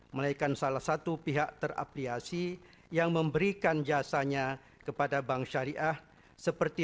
melainkan salah satu pihak terapliasi yang memberikan jasanya kepada bank syariah seperti